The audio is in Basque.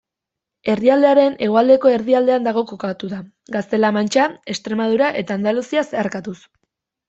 Herrialdearen hegoaldeko erdialdean dago kokatuta, Gaztela-Mantxa, Extremadura eta Andaluzia zeharkatuz.